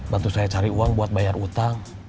bantu saya cari uang buat bayar utang